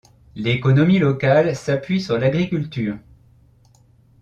L’économie locale s'appuie sur l'agriculture.